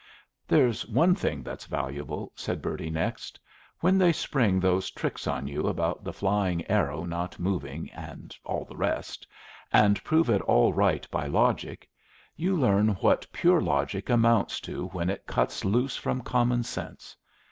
"There's one thing that's valuable," said Bertie next. "When they spring those tricks on you about the flying arrow not moving, and all the rest, and prove it all right by logic, you learn what pure logic amounts to when it cuts loose from common sense.